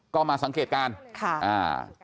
ก็มาสังเกตการณ์ค่ะอ่า